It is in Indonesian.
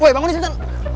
woy bangun disini